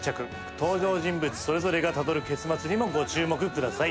「登場人物それぞれがたどる結末にもご注目ください」